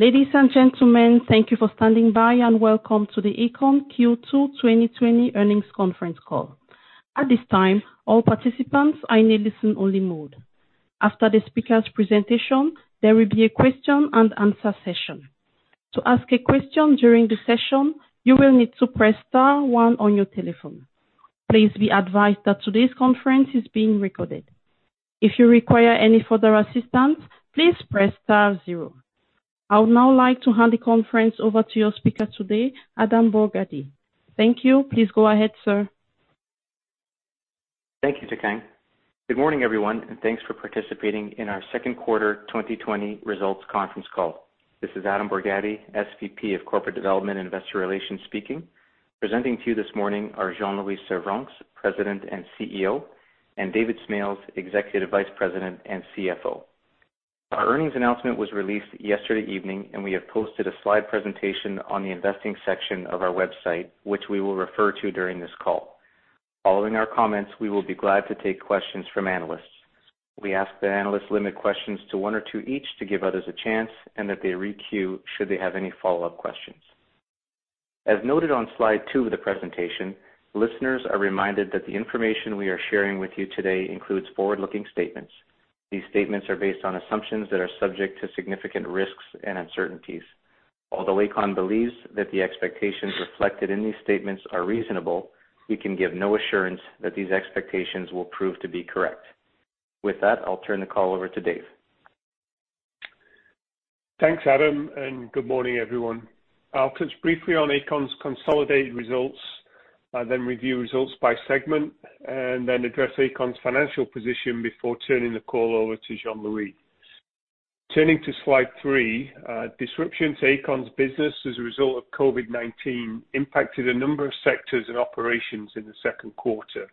Ladies and gentlemen, thank you for standing by, and welcome to the Aecon Q2 2020 Earnings Conference Call. At this time, all participants are in listen-only mode. After the speaker's presentation, there will be a question and answer session. To ask a question during the session, you will need to press star one on your telephone. Please be advised that today's conference is being recorded. If you require any further assistance, please press star zero. I would now like to hand the conference over to your speaker today, Adam Borgatti. Thank you. Please go ahead, sir. Thank you, Tacang. Good morning, everyone, thanks for participating in our second quarter 2020 results conference call. This is Adam Borgatti, SVP of Corporate Development and Investor Relations speaking. Presenting to you this morning are Jean-Louis Servranckx, President and CEO, David Smales, Executive Vice President and CFO. Our earnings announcement was released yesterday evening, we have posted a slide presentation on the investing section of our website, which we will refer to during this call. Following our comments, we will be glad to take questions from analysts. We ask that analysts limit questions to one or two each to give others a chance, that they re-queue should they have any follow-up questions. As noted on slide two of the presentation, listeners are reminded that the information we are sharing with you today includes forward-looking statements. These statements are based on assumptions that are subject to significant risks and uncertainties. Although Aecon believes that the expectations reflected in these statements are reasonable, we can give no assurance that these expectations will prove to be correct. With that, I'll turn the call over to Dave. Thanks, Adam. Good morning, everyone. I'll touch briefly on Aecon's consolidated results, review results by segment, address Aecon's financial position before turning the call over to Jean-Louis. Turning to slide three, disruption to Aecon's business as a result of COVID-19 impacted a number of sectors and operations in the second quarter.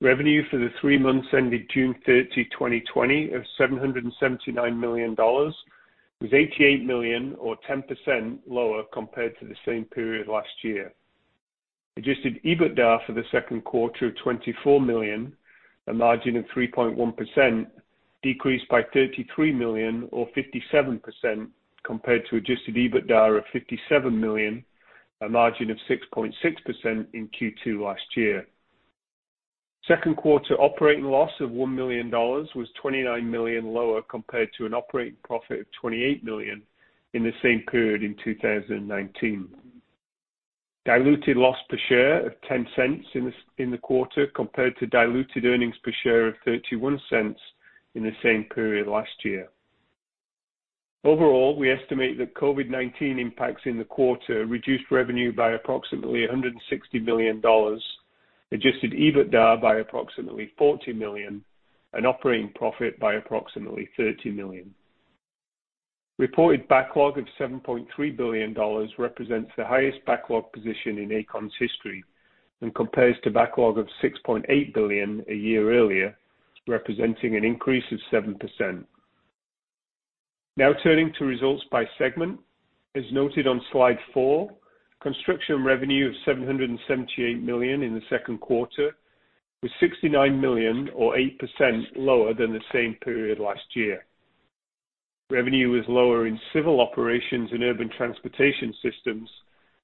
Revenue for the three months ending June 30, 2020, of 779 million dollars was 88 million or 10% lower compared to the same period last year. Adjusted EBITDA for the second quarter of 24 million, a margin of 3.1%, decreased by 33 million or 57% compared to adjusted EBITDA of 57 million, a margin of 6.6% in Q2 last year. Second quarter operating loss of 1 million dollars was 29 million lower compared to an operating profit of 28 million in the same period in 2019. Diluted loss per share of 0.10 in the quarter compared to diluted earnings per share of 0.31 in the same period last year. Overall, we estimate that COVID-19 impacts in the quarter reduced revenue by approximately 160 million dollars, adjusted EBITDA by approximately 40 million, and operating profit by approximately 30 million. Reported backlog of 7.3 billion dollars represents the highest backlog position in Aecon's history and compares to backlog of 6.8 billion a year earlier, representing an increase of 7%. Turning to results by segment. As noted on slide four, construction revenue of 778 million in the second quarter was 69 million or 8% lower than the same period last year. Revenue was lower in civil operations and urban transportation systems,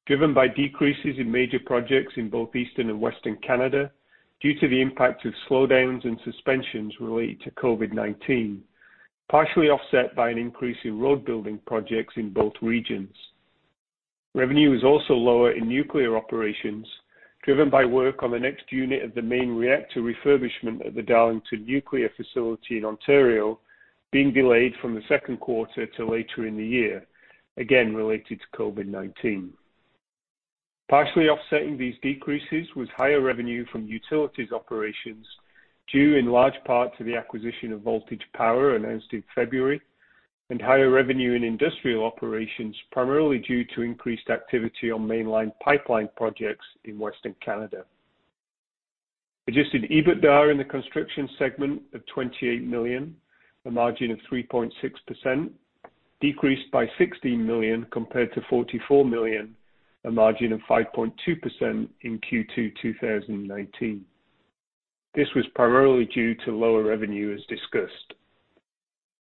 driven by decreases in major projects in both Eastern and Western Canada due to the impact of slowdowns and suspensions related to COVID-19, partially offset by an increase in road building projects in both regions. Revenue is also lower in nuclear operations, driven by work on the next unit of the main reactor refurbishment at the Darlington nuclear facility in Ontario being delayed from the second quarter to later in the year, again related to COVID-19. Partially offsetting these decreases was higher revenue from utilities operations due in large part to the acquisition of Voltage Power announced in February, and higher revenue in industrial operations primarily due to increased activity on mainline pipeline projects in Western Canada. Adjusted EBITDA in the construction segment of 28 million, a margin of 3.6%, decreased by 16 million compared to 44 million, a margin of 5.2% in Q2 2019. This was primarily due to lower revenue, as discussed.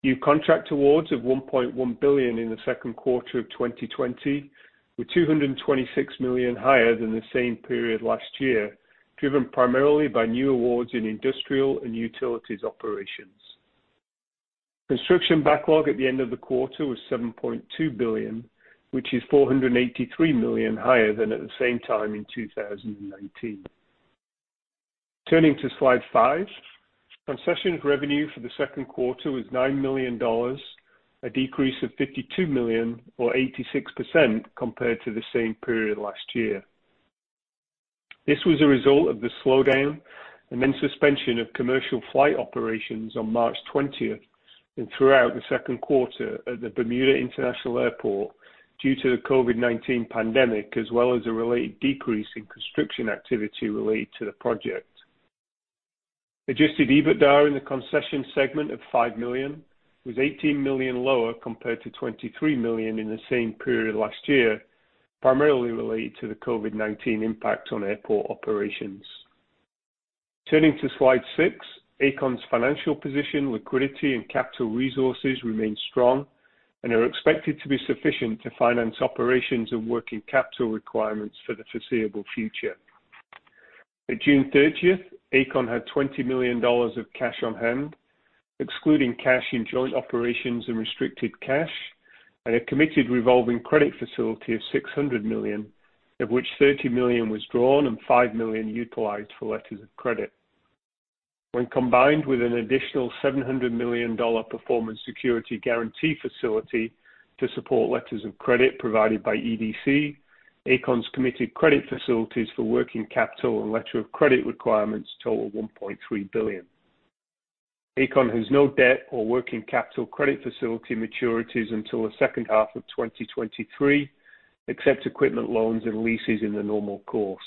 New contract awards of 1.1 billion in the second quarter of 2020 were 226 million higher than the same period last year, driven primarily by new awards in industrial and utilities operations. Construction backlog at the end of the quarter was 7.2 billion, which is 483 million higher than at the same time in 2019. Turning to slide five, concessions revenue for the second quarter was 9 million dollars, a decrease of 52 million or 86% compared to the same period last year. This was a result of the slowdown and then suspension of commercial flight operations on March 20th and throughout the second quarter at the Bermuda International Airport due to the COVID-19 pandemic, as well as a related decrease in construction activity related to the project. Adjusted EBITDA in the concession segment of 5 million was 18 million lower compared to 23 million in the same period last year, primarily related to the COVID-19 impact on airport operations. Turning to slide six, Aecon's financial position, liquidity, and capital resources remain strong and are expected to be sufficient to finance operations and working capital requirements for the foreseeable future. At June 30th, Aecon had 20 million dollars of cash on hand, excluding cash in joint operations and restricted cash, and a committed revolving credit facility of 600 million, of which 30 million was drawn and 5 million utilized for letters of credit. When combined with an additional 700 million dollar performance security guarantee facility to support letters of credit provided by EDC, Aecon's committed credit facilities for working capital and letter of credit requirements total 1.3 billion. Aecon has no debt or working capital credit facility maturities until the second half of 2023, except equipment loans and leases in the normal course.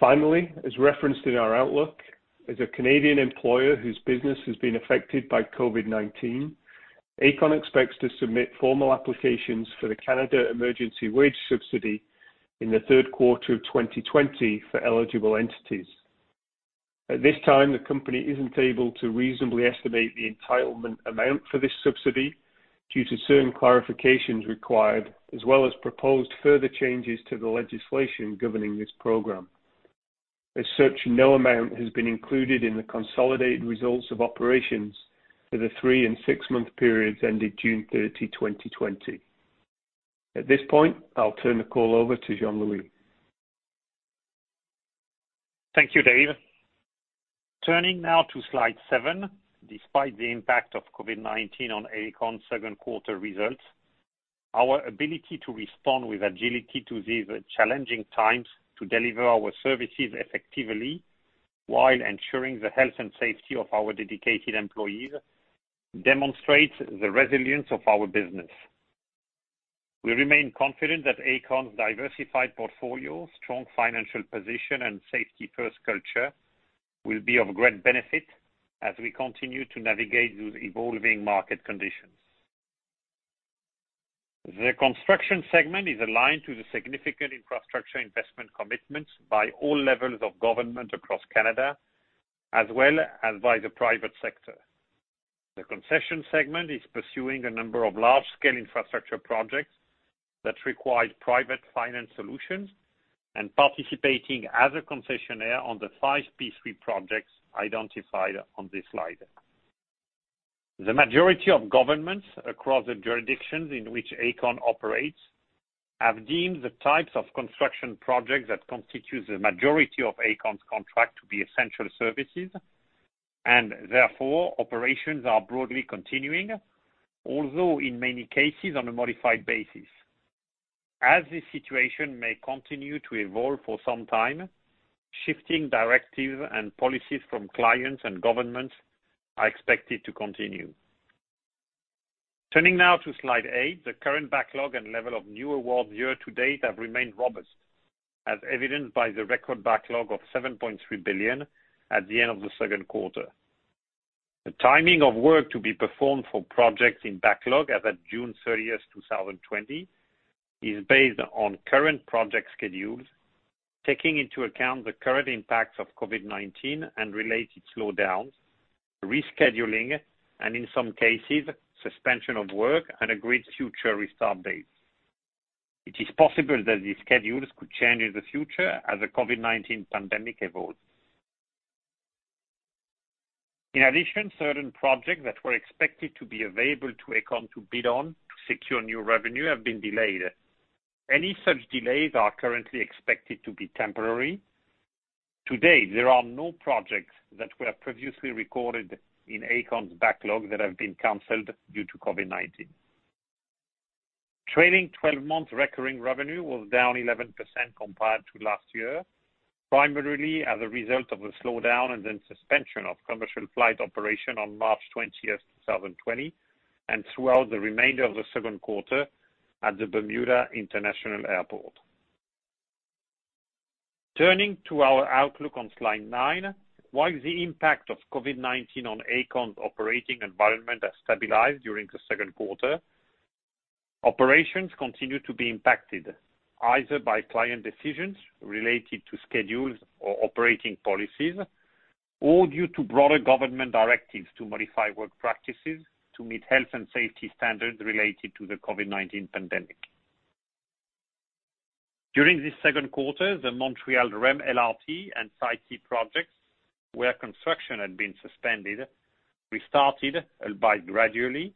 Finally, as referenced in our outlook, as a Canadian employer whose business has been affected by COVID-19, Aecon expects to submit formal applications for the Canada Emergency Wage Subsidy in the third quarter of 2020 for eligible entities. At this time, the company isn't able to reasonably estimate the entitlement amount for this subsidy due to certain clarifications required, as well as proposed further changes to the legislation governing this program. As such, no amount has been included in the consolidated results of operations for the three and six-month periods ended June 30, 2020. At this point, I'll turn the call over to Jean-Louis. Thank you, Dave. Turning now to slide seven. Despite the impact of COVID-19 on Aecon's second quarter results, our ability to respond with agility to these challenging times to deliver our services effectively while ensuring the health and safety of our dedicated employees demonstrates the resilience of our business. We remain confident that Aecon's diversified portfolio, strong financial position, and safety-first culture will be of great benefit as we continue to navigate those evolving market conditions. The construction segment is aligned to the significant infrastructure investment commitments by all levels of government across Canada, as well as by the private sector. The concession segment is pursuing a number of large-scale infrastructure projects that require private finance solutions, and participating as a concessionaire on the five P3 projects identified on this slide. The majority of governments across the jurisdictions in which Aecon operates have deemed the types of construction projects that constitute the majority of Aecon's contract to be essential services, and therefore, operations are broadly continuing. Although, in many cases, on a modified basis. As this situation may continue to evolve for some time, shifting directives and policies from clients and governments are expected to continue. Turning now to slide eight. The current backlog and level of new awards year to date have remained robust, as evidenced by the record backlog of 7.3 billion at the end of the second quarter. The timing of work to be performed for projects in backlog as at June 30th, 2020 is based on current project schedules, taking into account the current impacts of COVID-19 and related slowdowns, rescheduling, and in some cases, suspension of work and agreed future restart dates. It is possible that these schedules could change in the future as the COVID-19 pandemic evolves. In addition, certain projects that were expected to be available to Aecon to bid on to secure new revenue have been delayed. Any such delays are currently expected to be temporary. To date, there are no projects that were previously recorded in Aecon's backlog that have been canceled due to COVID-19. Trailing 12-month recurring revenue was down 11% compared to last year, primarily as a result of the slowdown and then suspension of commercial flight operation on March 20, 2020, and throughout the remainder of the second quarter at the Bermuda International Airport. Turning to our outlook on slide nine. While the impact of COVID-19 on Aecon's operating environment has stabilized during the second quarter, operations continue to be impacted, either by client decisions related to schedules or operating policies, or due to broader government directives to modify work practices to meet health and safety standards related to the COVID-19 pandemic. During this second quarter, the Montreal REM LRT and Site C projects, where construction had been suspended, restarted, albeit gradually,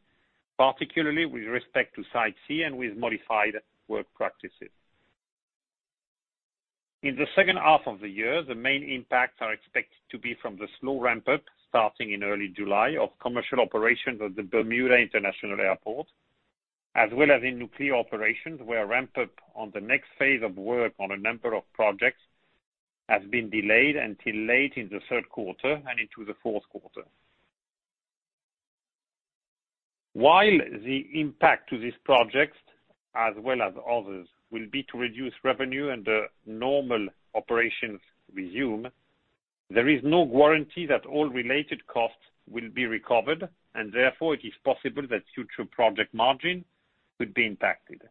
particularly with respect to Site C and with modified work practices. In the second half of the year, the main impacts are expected to be from the slow ramp-up starting in early July of commercial operations of the Bermuda International Airport, as well as in nuclear operations, where a ramp-up on the next phase of work on a number of projects has been delayed until late in the third quarter and into the fourth quarter. While the impact to these projects, as well as others, will be to reduce revenue and normal operations resume. There is no guarantee that all related costs will be recovered, and therefore it is possible that future project margin could be impacted.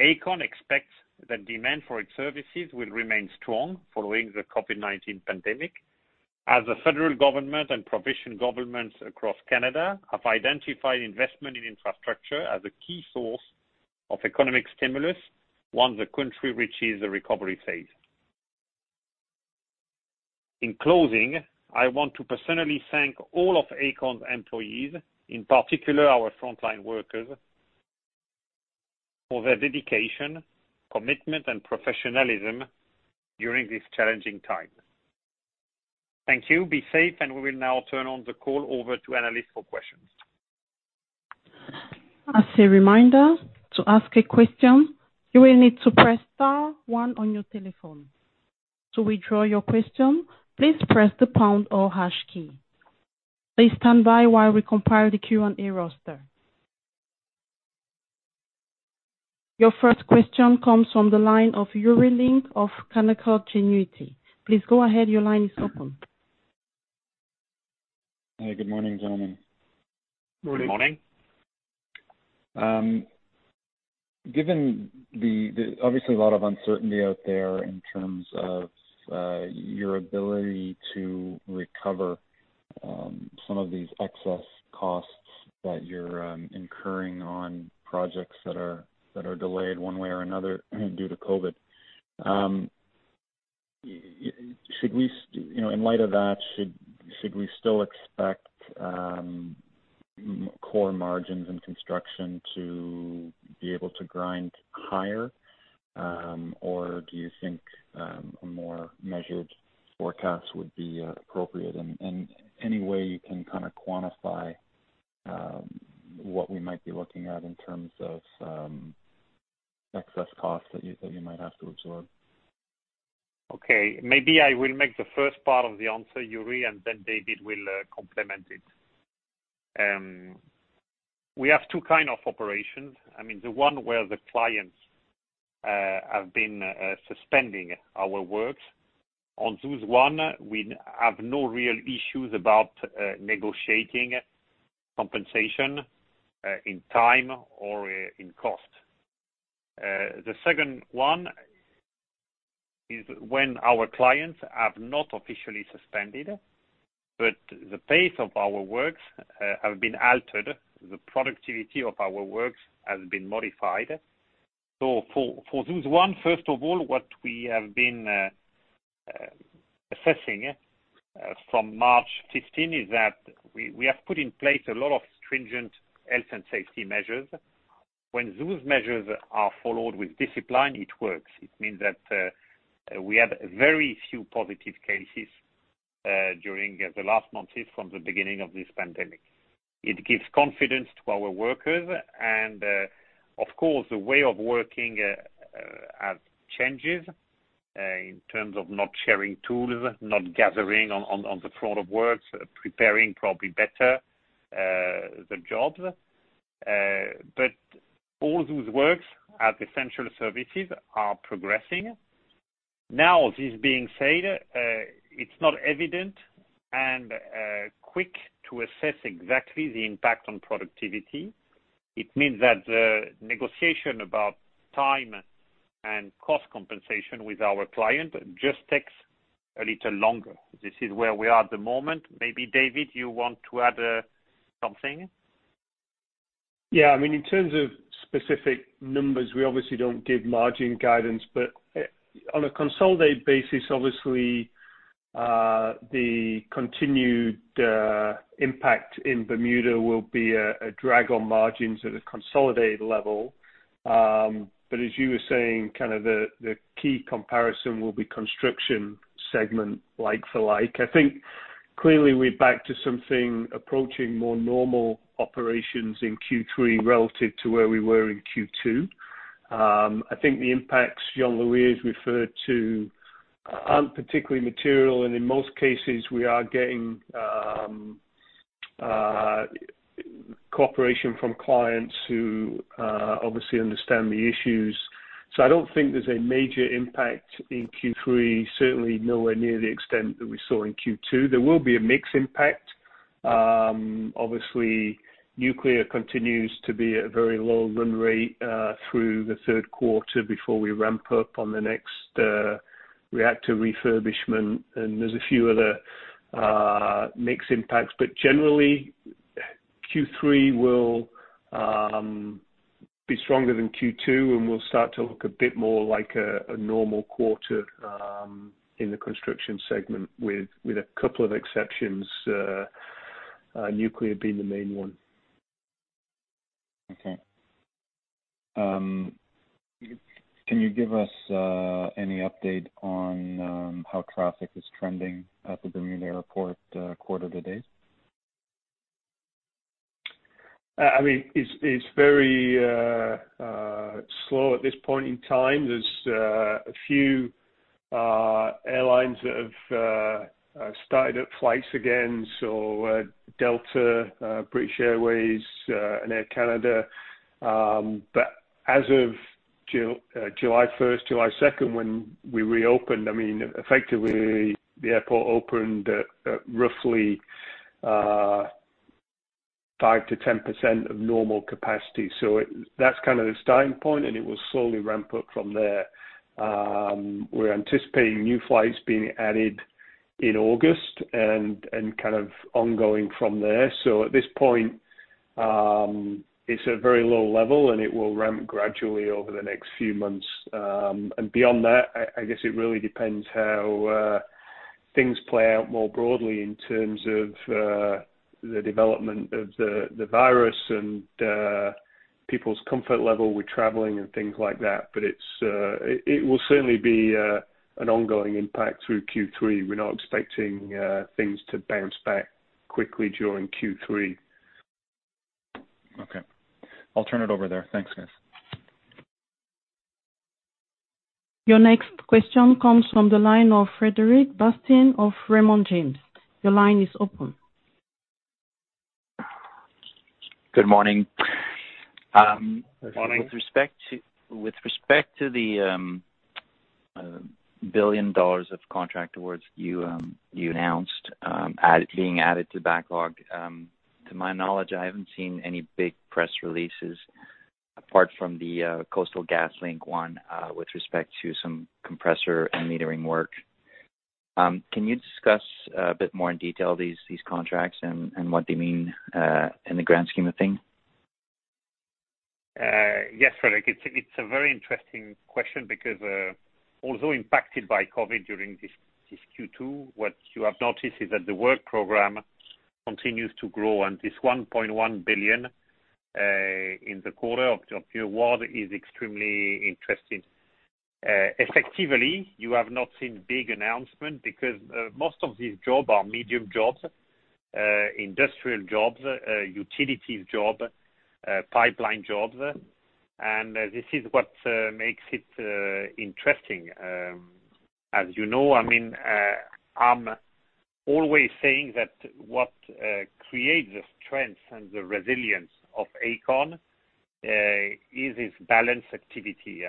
Aecon expects that demand for its services will remain strong following the COVID-19 pandemic, as the federal government and provincial governments across Canada have identified investment in infrastructure as a key source of economic stimulus once the country reaches the recovery phase. In closing, I want to personally thank all of Aecon's employees, in particular our frontline workers, for their dedication, commitment, and professionalism during this challenging time. Thank you. Be safe. We will now turn on the call over to analysts for questions. As a reminder, to ask a question, you will need to press star one on your telephone. To withdraw your question, please press the pound or hash key. Please stand by while we compile the Q&A roster. Your first question comes from the line of Yuri Lynk of Canaccord Genuity. Please go ahead. Your line is open. Hi. Good morning, gentlemen. Morning. Good morning. Given the obviously a lot of uncertainty out there in terms of your ability to recover some of these excess costs that you're incurring on projects that are delayed one way or another due to COVID. In light of that, should we still expect core margins and construction to be able to grind higher? Do you think a more measured forecast would be appropriate? Any way you can kind of quantify what we might be looking at in terms of excess cost that you might have to absorb? Okay, maybe I will make the first part of the answer, Yuri, and then David will complement it. We have two kind of operations. I mean, the one where the clients have been suspending our works. On those one, we have no real issues about negotiating compensation in time or in cost. The second one is when our clients have not officially suspended, but the pace of our works have been altered, the productivity of our works has been modified. For those one, first of all, what we have been assessing from March 15 is that we have put in place a lot of stringent health and safety measures. When those measures are followed with discipline, it works. It means that we have very few positive cases during the last month since from the beginning of this pandemic. It gives confidence to our workers and, of course, the way of working has changes, in terms of not sharing tools, not gathering on the front of works, preparing probably better the jobs. All those works at essential services are progressing. This being said, it's not evident and quick to assess exactly the impact on productivity. It means that the negotiation about time and cost compensation with our client just takes a little longer. This is where we are at the moment. Maybe, David, you want to add something? Yeah. In terms of specific numbers, we obviously don't give margin guidance, on a consolidated basis, obviously, the continued impact in Bermuda will be a drag on margins at a consolidated level. As you were saying, kind of the key comparison will be construction segment like for like. I think clearly we're back to something approaching more normal operations in Q3 relative to where we were in Q2. I think the impacts Jean-Louis referred to aren't particularly material, and in most cases, we are getting cooperation from clients who obviously understand the issues. I don't think there's a major impact in Q3, certainly nowhere near the extent that we saw in Q2. There will be a mix impact. Obviously, nuclear continues to be at a very low run rate through the third quarter before we ramp up on the next reactor refurbishment, and there's a few other mix impacts. Generally, Q3 will be stronger than Q2, and we'll start to look a bit more like a normal quarter in the construction segment, with a couple of exceptions, nuclear being the main one. Okay. Can you give us any update on how traffic is trending at the Bermuda Airport quarter to date? It's very slow at this point in time. There's a few airlines that have started up flights again, so Delta, British Airways, and Air Canada. As of July 1st, July 2nd, when we reopened, effectively, the airport opened at roughly 5%-10% of normal capacity. That's the starting point, and it will slowly ramp up from there. We're anticipating new flights being added in August and ongoing from there. At this point, it's a very low level, and it will ramp gradually over the next few months. Beyond that, I guess it really depends how things play out more broadly in terms of the development of the virus and people's comfort level with traveling and things like that. It will certainly be an ongoing impact through Q3. We're not expecting things to bounce back quickly during Q3. Okay. I'll turn it over there. Thanks, guys. Your next question comes from the line of Frederic Bastien of Raymond James. Your line is open. Good morning. Morning. With respect to the 1 billion dollars of contract awards you announced being added to backlog, to my knowledge, I haven't seen any big press releases apart from the Coastal GasLink one with respect to some compressor and metering work. Can you discuss a bit more in detail these contracts and what they mean in the grand scheme of things? Yes, Frederic, it's a very interesting question because although impacted by COVID during this Q2, what you have noticed is that the work program continues to grow, and this 1.1 billion in the quarter of new award is extremely interesting. Effectively, you have not seen big announcements because most of these jobs are medium jobs, industrial jobs, utilities jobs, pipeline jobs. This is what makes it interesting. As you know, I'm always saying that what creates the strength and the resilience of Aecon is its balanced activity.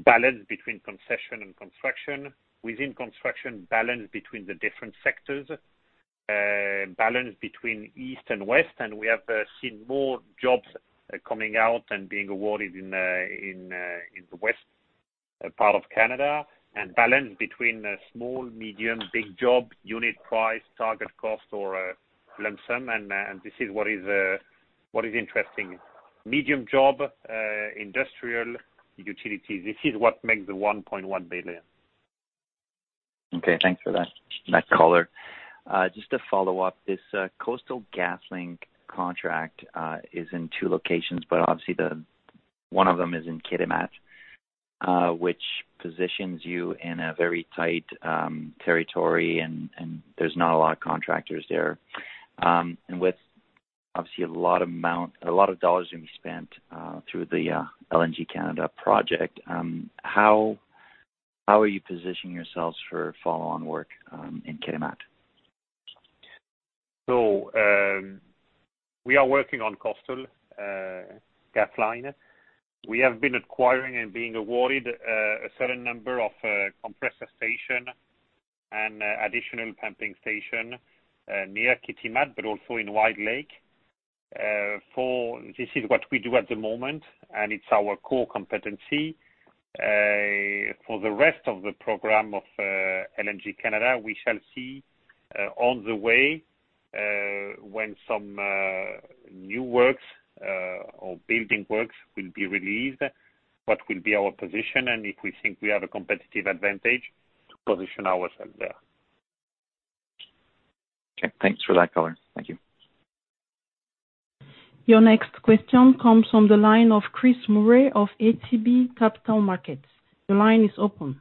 Balance between concession and construction. Within construction, balance between the different sectors, balance between East and West, and we have seen more jobs coming out and being awarded in the West part of Canada. Balance between small, medium, big jobs, unit price, target cost, or lump sum, and this is what is interesting. Medium job, industrial, utilities, this is what makes the 1.1 billion. Okay, thanks for that color. Just to follow up, this Coastal GasLink contract is in two locations, but obviously one of them is in Kitimat, which positions you in a very tight territory, and there's not a lot of contractors there. With, obviously, a lot of dollars being spent through the LNG Canada project, how are you positioning yourselves for follow-on work in Kitimat? We are working on Coastal GasLink. We have been acquiring and being awarded a certain number of compressor station and additional pumping station near Kitimat, but also in Wilde Lake. This is what we do at the moment, and it's our core competency. For the rest of the program of LNG Canada, we shall see on the way when some new works or building works will be released, what will be our position, and if we think we have a competitive advantage to position ourselves there. Okay, thanks for that color. Thank you. Your next question comes from the line of Chris Murray of ATB Capital Markets. Your line is open.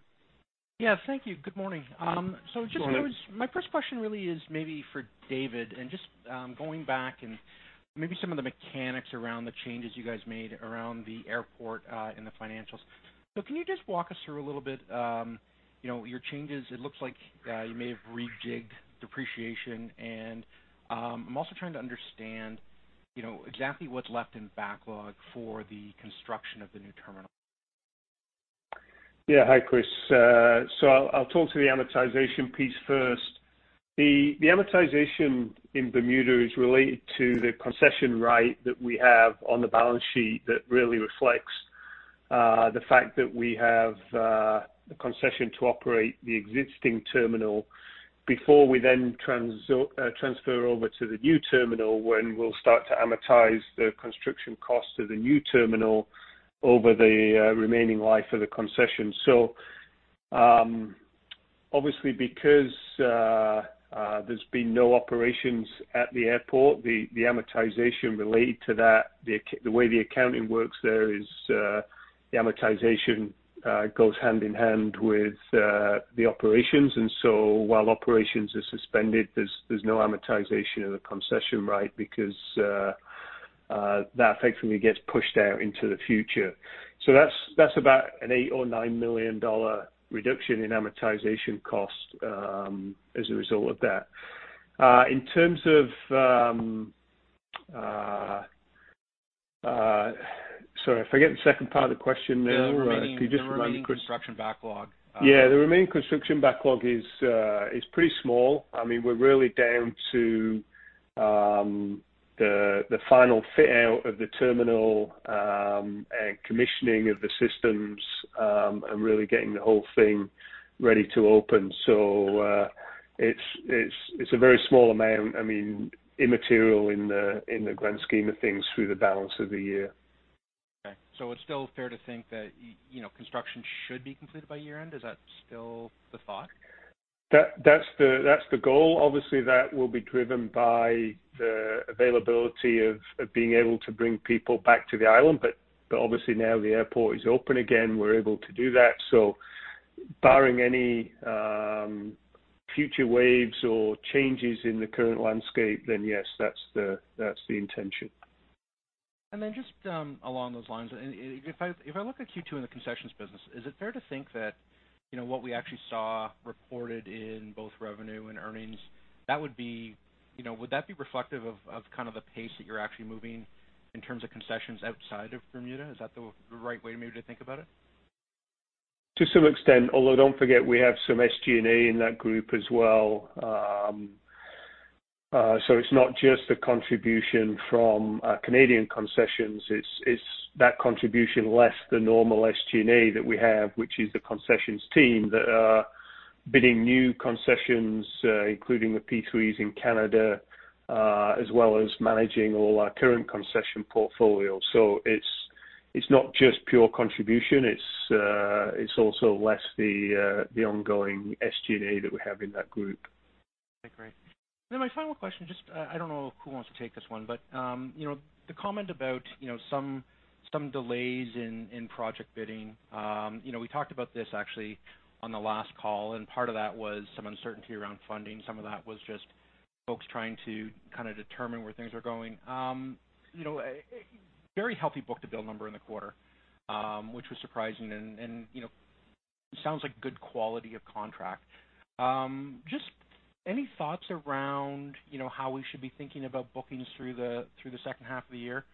Yeah, thank you. Good morning. Good morning. Just my first question really is maybe for David, and just going back and maybe some of the mechanics around the changes you guys made around the airport in the financials. Can you just walk us through a little bit your changes? It looks like you may have rejigged depreciation, and I'm also trying to understand exactly what's left in backlog for the construction of the new terminal. Hi, Chris. I'll talk to the amortization piece first. The amortization in Bermuda is related to the concession right that we have on the balance sheet that really reflects the fact that we have a concession to operate the existing terminal before we then transfer over to the new terminal, when we'll start to amortize the construction cost of the new terminal over the remaining life of the concession. Obviously because there's been no operations at the airport, the amortization related to that, the way the accounting works there is the amortization goes hand in hand with the operations. While operations are suspended, there's no amortization of the concession right because that effectively gets pushed out into the future. That's about a 8 million or 9 million dollar reduction in amortization cost as a result of that. Sorry, I forget the second part of the question now. Could you just remind me? The remaining construction backlog. Yeah, the remaining construction backlog is pretty small. We're really down to the final fit out of the terminal, and commissioning of the systems, and really getting the whole thing ready to open. It's a very small amount, immaterial in the grand scheme of things through the balance of the year. Okay. It's still fair to think that construction should be completed by year-end. Is that still the thought? That's the goal. Obviously, that will be driven by the availability of being able to bring people back to the island. Obviously now the airport is open again, we're able to do that. Barring any future waves or changes in the current landscape, then yes, that's the intention. Just along those lines, if I look at Q2 in the concessions business, is it fair to think that what we actually saw reported in both revenue and earnings, would that be reflective of the pace that you're actually moving in terms of concessions outside of Bermuda? Is that the right way maybe to think about it? To some extent, although don't forget we have some SG&A in that group as well. It's not just the contribution from Canadian concessions, it's that contribution less the normal SG&A that we have, which is the concessions team that are bidding new concessions, including the P3s in Canada, as well as managing all our current concession portfolio. It's not just pure contribution, it's also less the ongoing SG&A that we have in that group. Okay, great. My final question, I don't know who wants to take this one, the comment about some delays in project bidding. We talked about this actually on the last call, part of that was some uncertainty around funding. Some of that was just folks trying to determine where things are going. Very healthy book-to-bill number in the quarter, which was surprising, it sounds like good quality of contract. Just any thoughts around how we should be thinking about bookings through the second half of the year,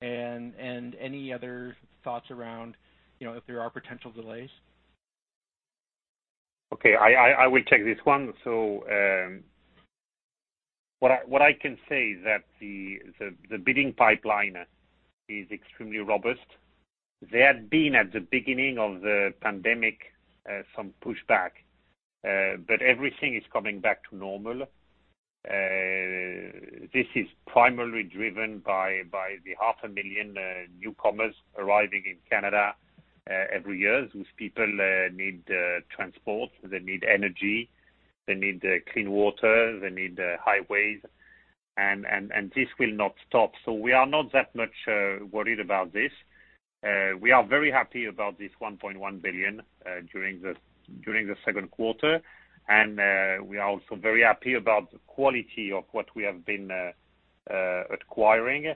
any other thoughts around if there are potential delays? Okay, I will take this one. What I can say is that the bidding pipeline is extremely robust. There had been, at the beginning of the pandemic, some pushback. Everything is coming back to normal. This is primarily driven by the half a million newcomers arriving in Canada every year. Those people need transport, they need energy, they need clean water, they need highways, and this will not stop. We are not that much worried about this. We are very happy about this 1.1 billion during the second quarter, and we are also very happy about the quality of what we have been acquiring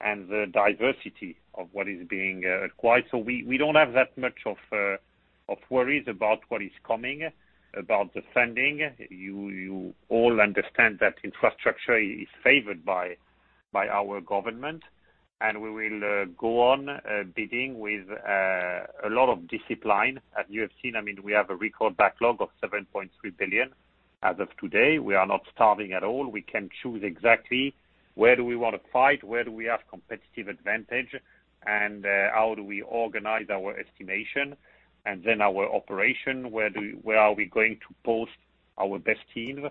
and the diversity of what is being acquired. We don't have that much of worries about what is coming, about the funding. You all understand that infrastructure is favored by our government, and we will go on bidding with a lot of discipline. As you have seen, we have a record backlog of 7.3 billion as of today. We are not starving at all. We can choose exactly where do we want to fight, where do we have competitive advantage, and how do we organize our estimation and then our operation, where are we going to post our best team,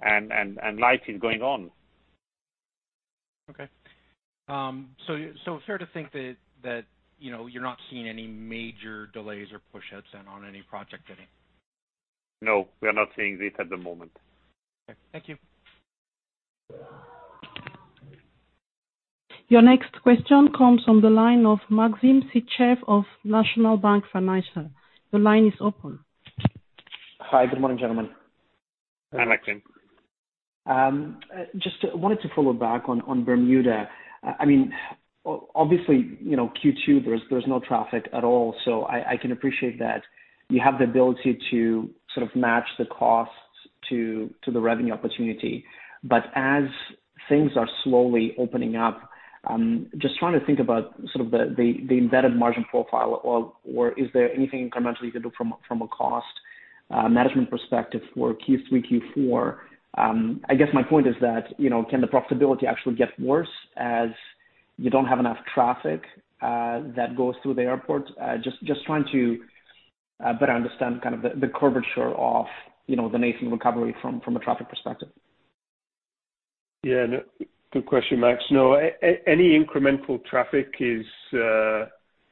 and life is going on. Okay. Fair to think that you're not seeing any major delays or push-outs on any project bidding? No, we are not seeing this at the moment. Okay. Thank you. Your next question comes from the line of Maxim Sytchev of National Bank Financial. The line is open. Hi, good morning, gentlemen. Hi, Maxim. Just wanted to follow back on Bermuda. Obviously, Q2, there's no traffic at all, so I can appreciate that you have the ability to sort of match the costs to the revenue opportunity. As things are slowly opening up, just trying to think about sort of the embedded margin profile, or is there anything incrementally you can do from a cost management perspective for Q3, Q4? My point is that, can the profitability actually get worse as you don't have enough traffic that goes through the airport? Just trying to better understand kind of the curvature of the nascent recovery from a traffic perspective. Good question, Max. No, any incremental traffic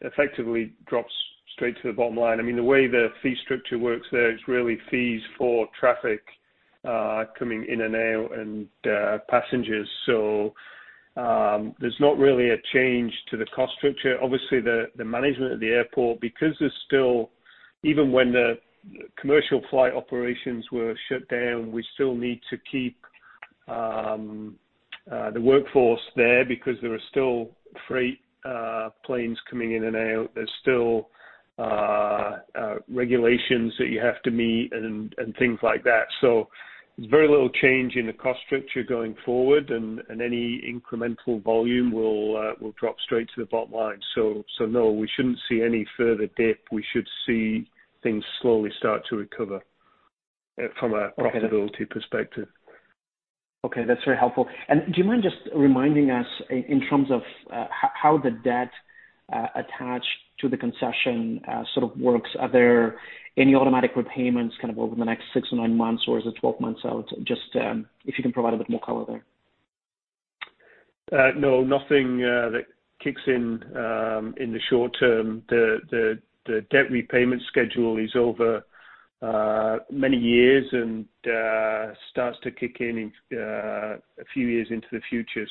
effectively drops straight to the bottom line. The way the fee structure works there is really fees for traffic coming in and out, and passengers. There's not really a change to the cost structure. Obviously, the management of the airport, because even when the commercial flight operations were shut down, we still need to keep the workforce there because there are still freight planes coming in and out. There's still regulations that you have to meet and things like that. There's very little change in the cost structure going forward, and any incremental volume will drop straight to the bottom line. No, we shouldn't see any further dip. We should see things slowly start to recover from a profitability perspective. Okay. That's very helpful. Do you mind just reminding us in terms of how the debt attached to the concession sort of works? Are there any automatic repayments over the next six or nine months, or is it 12 months out? Just if you can provide a bit more color there. No, nothing that kicks in in the short term. The debt repayment schedule is over many years and starts to kick in a few years into the future.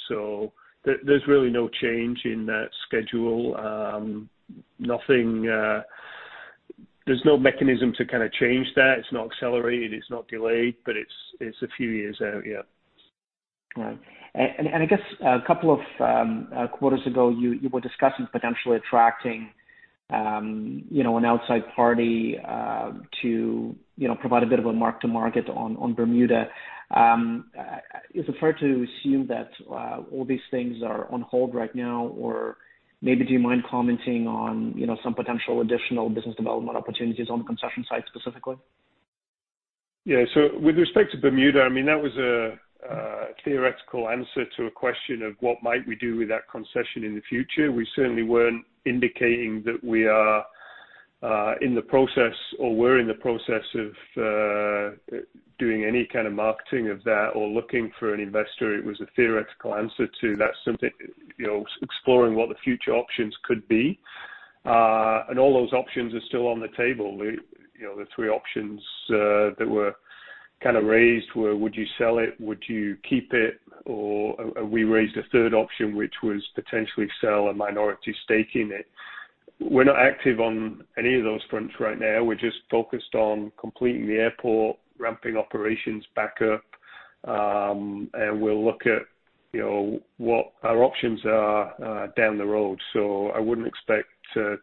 There's really no change in that schedule. There's no mechanism to kind of change that. It's not accelerated, it's not delayed, but it's a few years out, yeah. Right. I guess a couple of quarters ago you were discussing potentially attracting an outside party to provide a bit of a mark to market on Bermuda. Is it fair to assume that all these things are on hold right now? Maybe do you mind commenting on some potential additional business development opportunities on the concession side specifically? Yeah. With respect to Bermuda, that was a theoretical answer to a question of what might we do with that concession in the future. We certainly weren't indicating that we are in the process, or were in the process of doing any kind of marketing of that or looking for an investor. It was a theoretical answer to that, exploring what the future options could be. All those options are still on the table. The three options that were kind of raised were, would you sell it? Would you keep it? Or we raised a third option, which was potentially sell a minority stake in it. We're not active on any of those fronts right now. We're just focused on completing the airport, ramping operations back up, and we'll look at what our options are down the road. I wouldn't expect to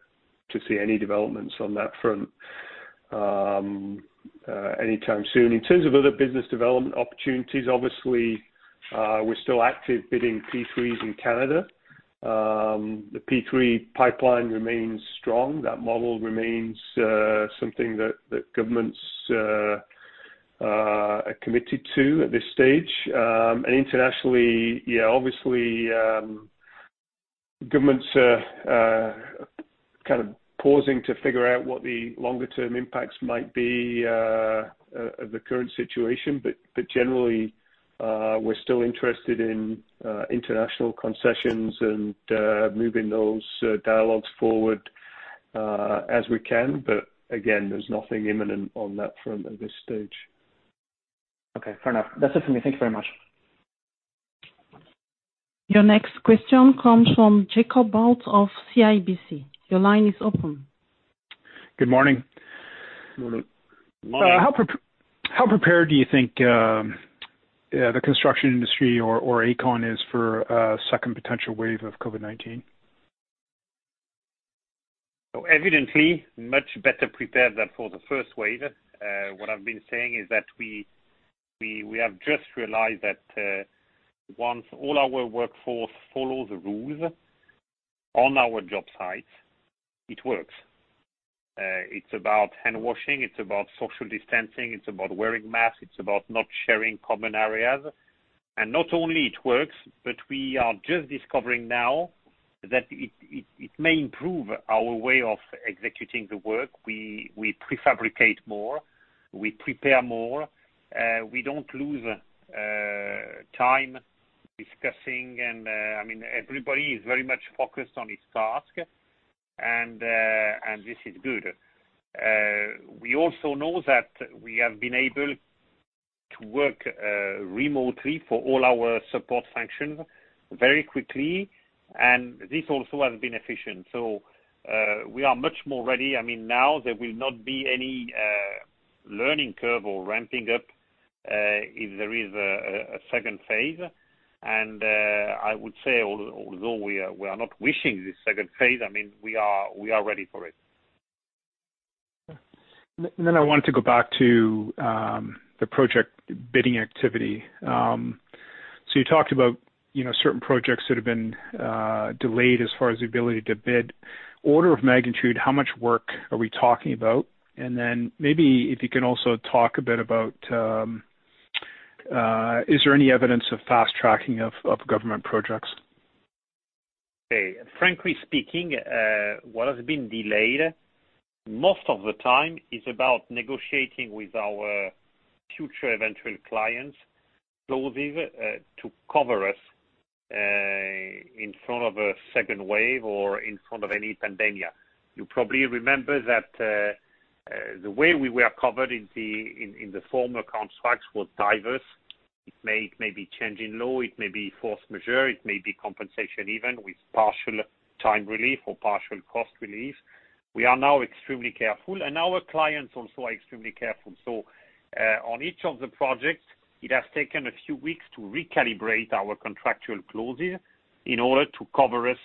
see any developments on that front anytime soon. In terms of other business development opportunities, obviously, we're still active bidding P3s in Canada. The P3 pipeline remains strong. That model remains something that governments are committed to at this stage. Internationally, yeah, obviously, governments are kind of pausing to figure out what the longer term impacts might be of the current situation. Generally, we're still interested in international concessions and moving those dialogues forward, as we can. Again, there's nothing imminent on that front at this stage. Okay, fair enough. That's it for me. Thank you very much. Your next question comes from Jacob Bout of CIBC. Your line is open. Good morning. Morning. Morning. How prepared do you think the construction industry or Aecon is for a second potential wave of COVID-19? Evidently, much better prepared than for the first wave. What I've been saying is that we have just realized that once all our workforce follow the rules on our job sites, it works. It's about hand washing, it's about social distancing, it's about wearing masks, it's about not sharing common areas. Not only it works, but we are just discovering now that it may improve our way of executing the work. We prefabricate more, we prepare more. We don't lose time discussing, and everybody is very much focused on his task, and this is good. We also know that we have been able to work remotely for all our support functions very quickly, and this also has been efficient. We are much more ready. Now, there will not be any learning curve or ramping up if there is a second phase. I would say, although we are not wishing this phase 2, we are ready for it. I wanted to go back to the project bidding activity. You talked about certain projects that have been delayed as far as the ability to bid. Order of magnitude, how much work are we talking about? Maybe if you can also talk a bit about, is there any evidence of fast-tracking of government projects? Okay. Frankly speaking, what has been delayed most of the time is about negotiating with our future eventual clients clauses to cover us in front of a second wave or in front of any pandemia. You probably remember that the way we were covered in the former contracts was diverse. It may be change in law, it may be force majeure, it may be compensation even with partial time relief or partial cost relief. We are now extremely careful, and our clients also are extremely careful. On each of the projects, it has taken a few weeks to recalibrate our contractual clauses in order to cover us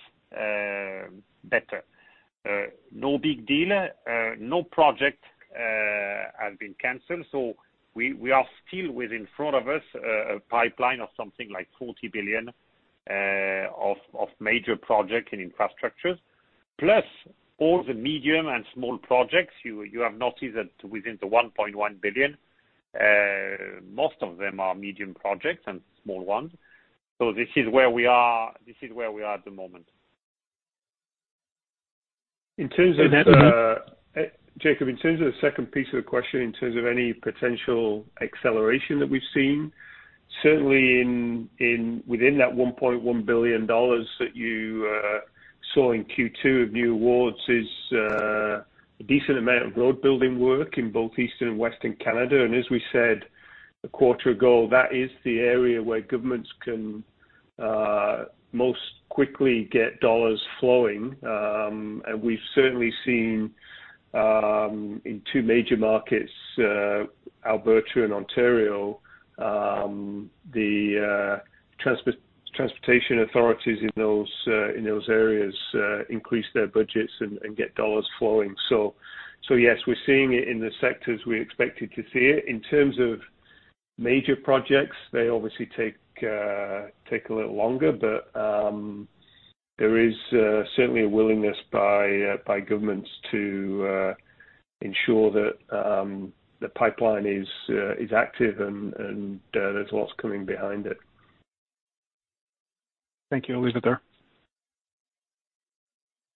better. No big deal. No project has been canceled. We are still with, in front of us, a pipeline of something like 40 billion of major projects in infrastructures, plus all the medium and small projects. You have noticed that within the 1.1 billion, most of them are medium projects and small ones. This is where we are at the moment. In terms of the net- Jacob, in terms of the second piece of the question in terms of any potential acceleration that we've seen, certainly within that 1.1 billion dollars that you saw in Q2 of new awards is a decent amount of road building work in both Eastern and Western Canada. As we said, a quarter ago, that is the area where governments can most quickly get dollars flowing. We've certainly seen, in two major markets, Alberta and Ontario, the transportation authorities in those areas increase their budgets and get dollars flowing. Yes, we're seeing it in the sectors we expected to see it. In terms of major projects, they obviously take a little longer. There is certainly a willingness by governments to ensure that the pipeline is active, and there's lots coming behind it. Thank you. I'll leave it there.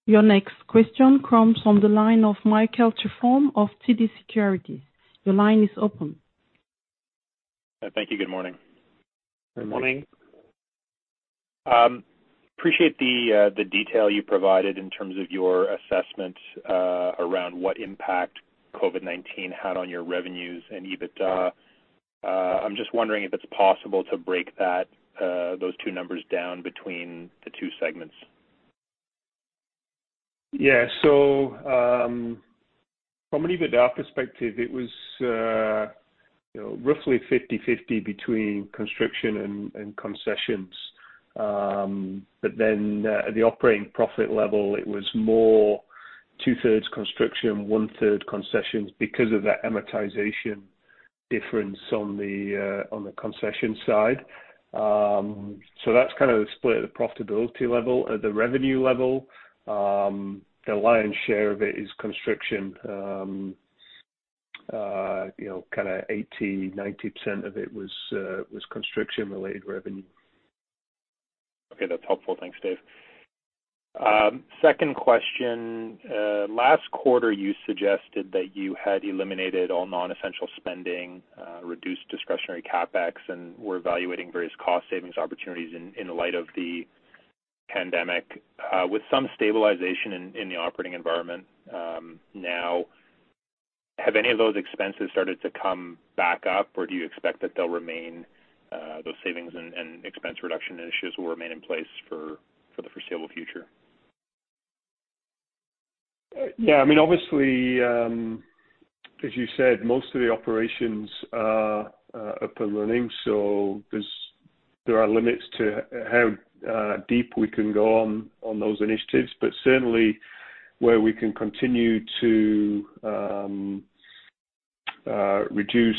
Your next question comes from the line of Michael Tupholme of TD Securities. Your line is open. Thank you. Good morning. Good morning. Appreciate the detail you provided in terms of your assessment around what impact COVID-19 had on your revenues and EBITDA. I'm just wondering if it's possible to break those two numbers down between the two segments. From an EBITDA perspective, it was roughly 50/50 between construction and concessions. At the operating profit level, it was more two-thirds construction, one-third concessions because of that amortization difference on the concession side. That's kind of the split at the profitability level. At the revenue level, the lion's share of it is construction, kind of 80%, 90% of it was construction-related revenue. Okay. That's helpful. Thanks, Dave. Second question. Last quarter, you suggested that you had eliminated all non-essential spending, reduced discretionary CapEx, and were evaluating various cost savings opportunities in light of the pandemic. With some stabilization in the operating environment now, have any of those expenses started to come back up? Do you expect that those savings and expense reduction initiatives will remain in place for the foreseeable future? Obviously, as you said, most of the operations are up and running, so there are limits to how deep we can go on those initiatives. Certainly, where we can continue to reduce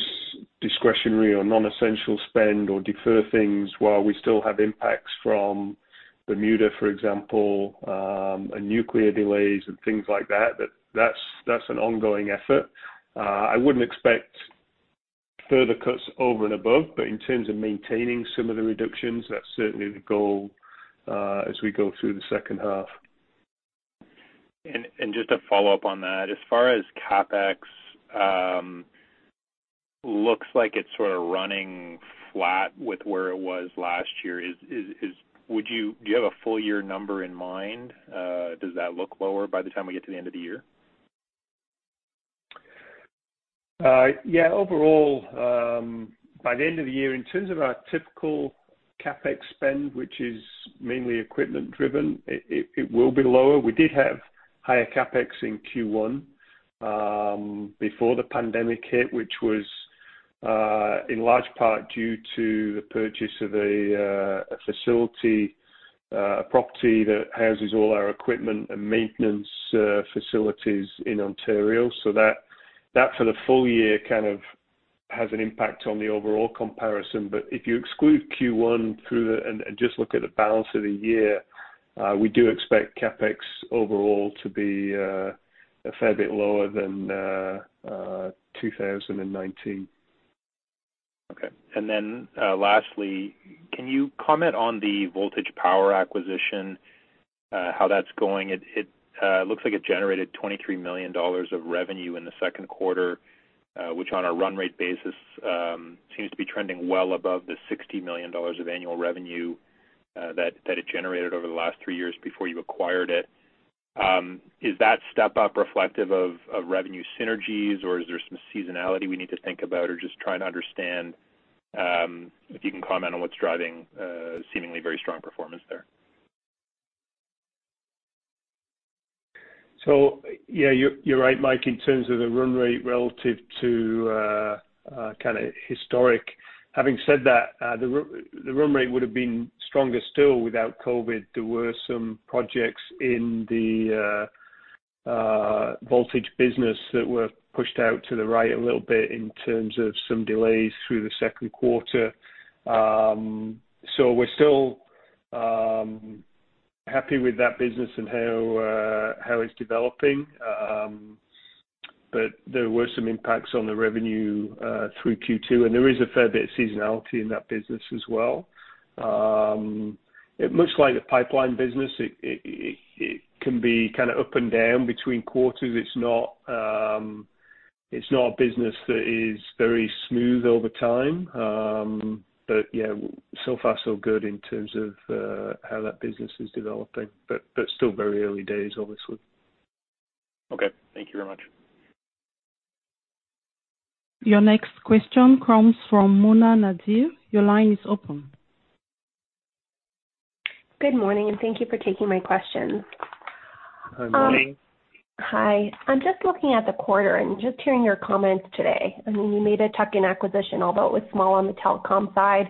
discretionary or non-essential spend or defer things while we still have impacts from Bermuda, for example, and nuclear delays and things like that's an ongoing effort. I wouldn't expect further cuts over and above, but in terms of maintaining some of the reductions, that's certainly the goal as we go through the second half. Just to follow up on that, as far as CapEx, looks like it's sort of running flat with where it was last year. Do you have a full year number in mind? Does that look lower by the time we get to the end of the year? Yeah, overall, by the end of the year, in terms of our typical CapEx spend, which is mainly equipment driven, it will be lower. We did have higher CapEx in Q1 before the pandemic hit, which was in large part due to the purchase of a facility, a property that houses all our equipment and maintenance facilities in Ontario. That, for the full year, kind of has an impact on the overall comparison. If you exclude Q1 and just look at the balance of the year, we do expect CapEx overall to be a fair bit lower than 2019. Okay. Lastly, can you comment on the Voltage Power acquisition, how that's going? It looks like it generated 23 million dollars of revenue in the second quarter, which on a run rate basis, seems to be trending well above the 60 million dollars of annual revenue that it generated over the last 3 years before you acquired it. Is that step up reflective of revenue synergies, or is there some seasonality we need to think about? Just trying to understand, if you can comment on what's driving seemingly very strong performance there. Yeah, you're right, Mike, in terms of the run rate relative to kind of historic. Having said that, the run rate would've been stronger still without COVID-19. There were some projects in the Voltage business that were pushed out to the right a little bit in terms of some delays through the second quarter. We're still happy with that business and how it's developing. There were some impacts on the revenue through Q2, and there is a fair bit of seasonality in that business as well. Much like the pipeline business, it can be kind of up and down between quarters. It's not a business that is very smooth over time. Yeah, so far so good in terms of how that business is developing. Still very early days, obviously. Okay. Thank you very much. Your next question comes from Mona Nazir. Your line is open. Good morning, and thank you for taking my questions. Hi, Mona. Hi. I'm just looking at the quarter and just hearing your comments today. I mean, you made a tuck-in acquisition, although it was small on the telecom side.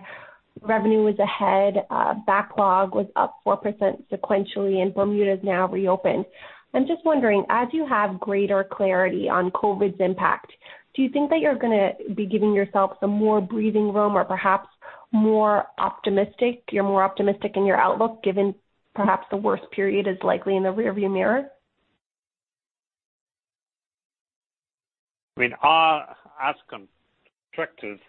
Revenue was ahead. Backlog was up 4% sequentially, and Bermuda is now reopened. I'm just wondering, as you have greater clarity on COVID's impact, do you think that you're going to be giving yourself some more breathing room or perhaps you're more optimistic in your outlook, given perhaps the worst period is likely in the rear view mirror? As contractors,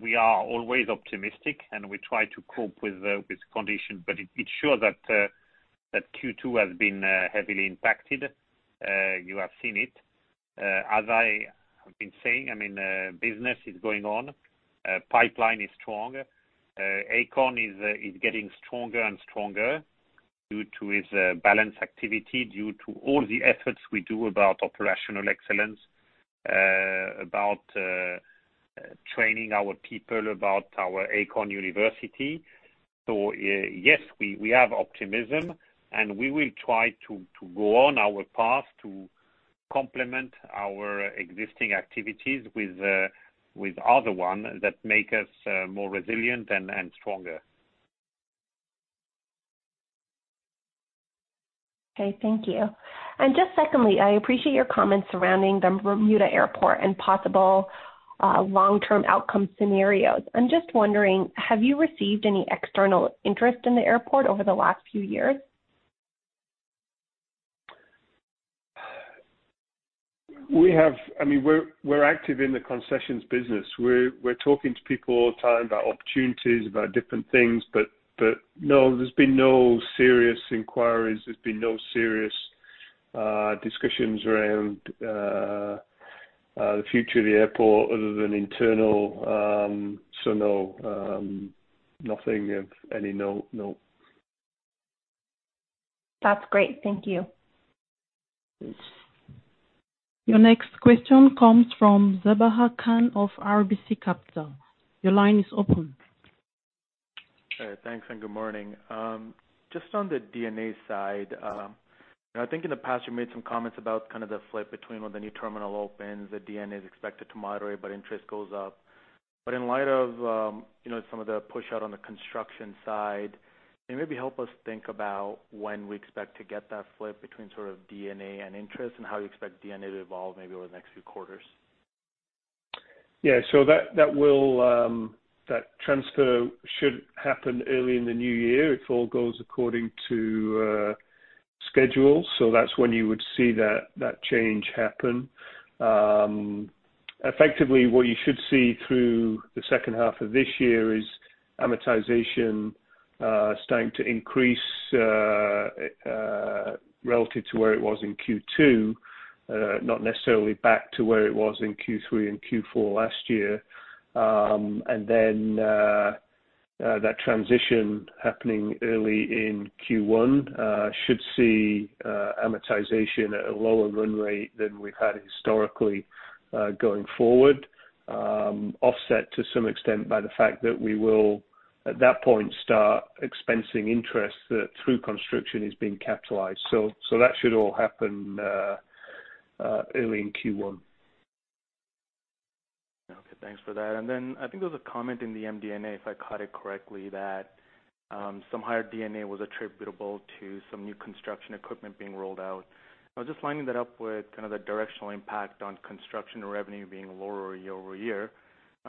we are always optimistic, we try to cope with condition, it's sure that Q2 has been heavily impacted. You have seen it. As I have been saying, business is going on. Pipeline is strong. Aecon is getting stronger and stronger due to its balance activity, due to all the efforts we do about operational excellence, about training our people, about our Aecon University. Yes, we have optimism, we will try to go on our path to complement our existing activities with other one that make us more resilient and stronger. Okay, thank you. Just secondly, I appreciate your comments surrounding the Bermuda Airport and possible long-term outcome scenarios. I'm just wondering, have you received any external interest in the airport over the last few years? We're active in the concessions business. We're talking to people all the time about opportunities, about different things, but no, there's been no serious inquiries. There's been no serious discussions around the future of the airport other than internal. No, nothing of any note. No. That's great. Thank you. Your next question comes from Sabahat Khan of RBC Capital. Your line is open. Hey, thanks, good morning. Just on the D&A side, I think in the past you made some comments about kind of the flip between when the new terminal opens, the D&A is expected to moderate, but interest goes up. In light of some of the push out on the construction side, can you maybe help us think about when we expect to get that flip between sort of D&A and interest, and how you expect D&A to evolve maybe over the next few quarters? That transfer should happen early in the new year if all goes according to schedule. That's when you would see that change happen. Effectively, what you should see through the second half of this year is amortization starting to increase, relative to where it was in Q2, not necessarily back to where it was in Q3 and Q4 last year. That transition happening early in Q1 should see amortization at a lower run rate than we've had historically, going forward, offset to some extent by the fact that we will, at that point, start expensing interest that through construction is being capitalized. That should all happen early in Q1. Okay, thanks for that. I think there was a comment in the MD&A, if I caught it correctly, that some higher D&A was attributable to some new construction equipment being rolled out. I was just lining that up with kind of the directional impact on construction revenue being lower year-over-year.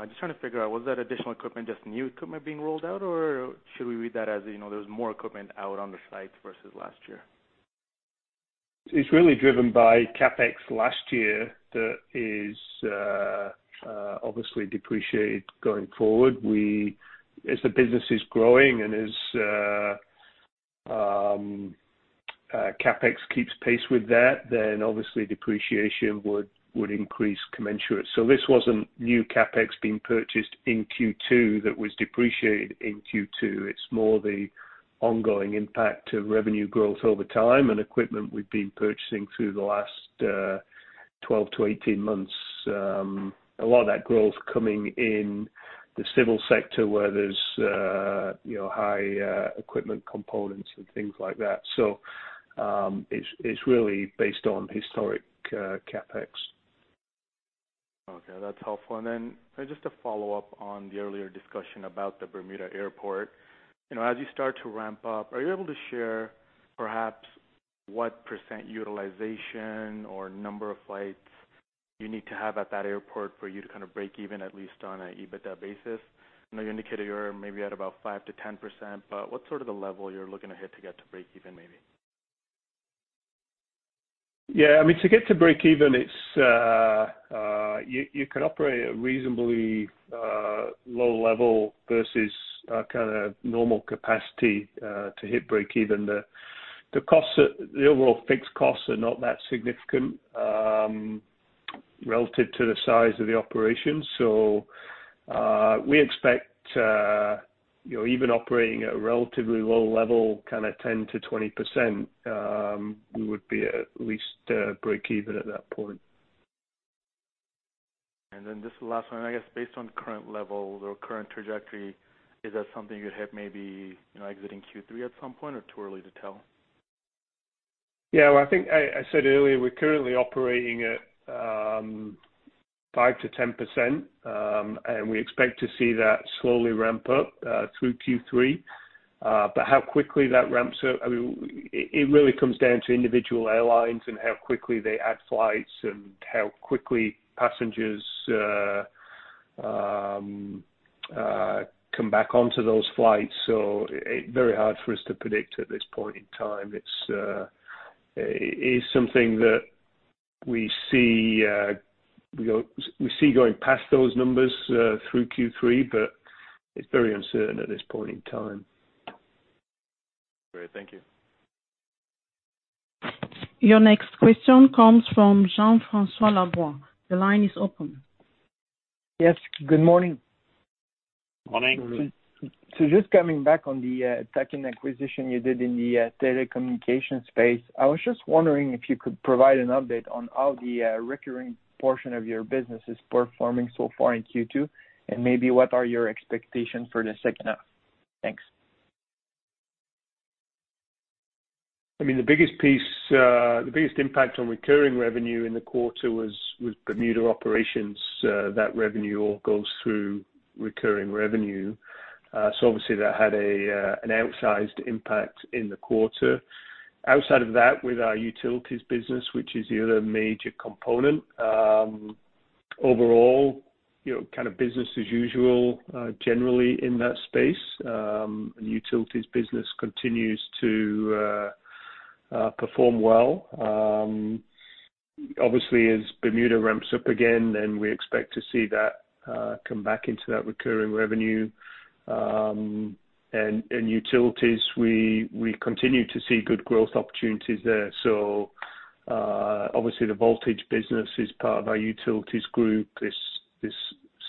Just trying to figure out, was that additional equipment just new equipment being rolled out, or should we read that as there was more equipment out on the site versus last year? It's really driven by CapEx last year that is obviously depreciated going forward. As the business is growing and as CapEx keeps pace with that, then obviously depreciation would increase commensurate. This wasn't new CapEx being purchased in Q2 that was depreciated in Q2. It's more the ongoing impact of revenue growth over time and equipment we've been purchasing through the last 12 to 18 months. A lot of that growth coming in the civil sector where there's high equipment components and things like that. It's really based on historic CapEx. Okay, that's helpful. Just to follow up on the earlier discussion about the Bermuda Airport, as you start to ramp up, are you able to share perhaps what % utilization or number of flights you need to have at that airport for you to break even, at least on an EBITDA basis? I know you indicated you're maybe at about 5%-10%, but what's sort of the level you're looking to hit to get to break even, maybe? To get to break even, you could operate at a reasonably low level versus a kind of normal capacity, to hit break-even. The overall fixed costs are not that significant relative to the size of the operation. We expect even operating at a relatively low level, kind of 10%-20%, we would be at least break-even at that point. Just the last one, I guess, based on current levels or current trajectory, is that something you'd hit maybe exiting Q3 at some point, or too early to tell? Yeah. Well, I think I said earlier, we're currently operating at 5%-10%, and we expect to see that slowly ramp up through Q3. How quickly that ramps up, it really comes down to individual airlines and how quickly they add flights and how quickly passengers come back onto those flights. Very hard for us to predict at this point in time. It is something that we see going past those numbers through Q3, but it's very uncertain at this point in time. Great. Thank you. Your next question comes from Jean-Francois Lavoie. The line is open. Yes. Good morning. Morning. Just coming back on the tuck-in acquisition you did in the telecommunications space, I was just wondering if you could provide an update on how the recurring portion of your business is performing so far in Q2, and maybe what are your expectations for the second half. Thanks. The biggest impact on recurring revenue in the quarter was with Bermuda operations. That revenue all goes through recurring revenue. Obviously that had an outsized impact in the quarter. Outside of that, with our utilities business, which is the other major component, overall, kind of business as usual, generally in that space. The utilities business continues to perform well. Obviously, as Bermuda ramps up again, then we expect to see that come back into that recurring revenue. In utilities, we continue to see good growth opportunities there. Obviously the Voltage business is part of our utilities group. This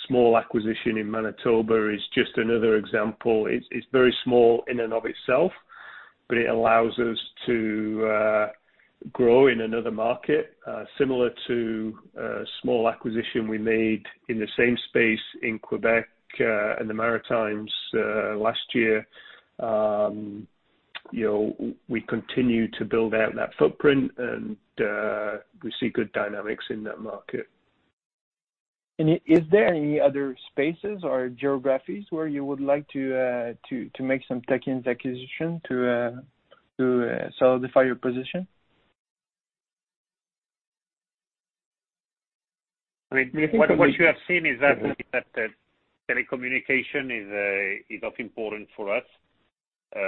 small acquisition in Manitoba is just another example. It's very small in and of itself, but it allows us to grow in another market, similar to a small acquisition we made in the same space in Quebec, and the Maritimes last year. We continue to build out that footprint, and we see good dynamics in that market. Is there any other spaces or geographies where you would like to make some tuck-ins acquisition to solidify your position? What you have seen is that telecommunication is important for us.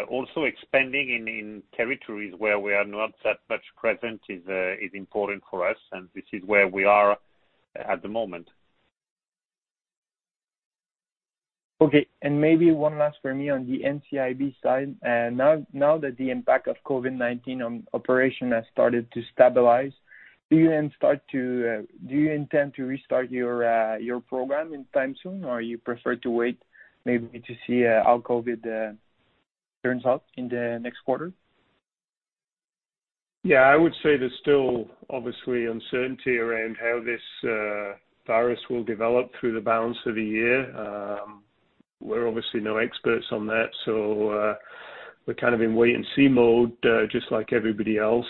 Also expanding in territories where we are not that much present is important for us, and this is where we are at the moment. Okay. Maybe one last for me on the NCIB side. Now that the impact of COVID-19 on operation has started to stabilize, do you intend to restart your program anytime soon, or you prefer to wait maybe to see how COVID turns out in the next quarter? Yeah. I would say there's still obviously uncertainty around how this virus will develop through the balance of the year. We're obviously no experts on that, so we're kind of in wait-and-see mode, just like everybody else.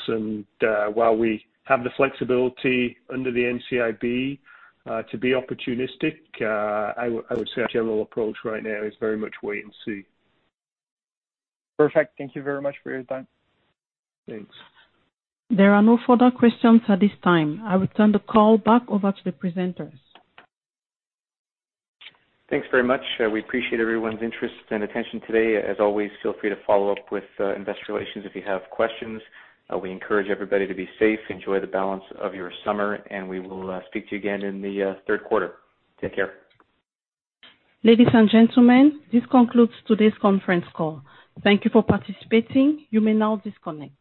While we have the flexibility under the NCIB to be opportunistic, I would say our general approach right now is very much wait and see. Perfect. Thank you very much for your time. Thanks. There are no further questions at this time. I return the call back over to the presenters. Thanks very much. We appreciate everyone's interest and attention today. As always, feel free to follow up with investor relations if you have questions. We encourage everybody to be safe. Enjoy the balance of your summer, and we will speak to you again in the third quarter. Take care. Ladies and gentlemen, this concludes today's conference call. Thank you for participating. You may now disconnect.